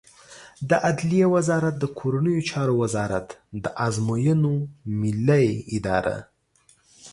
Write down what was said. د عدلیې وزارت د کورنیو چارو وزارت، د ازموینو ملی اداره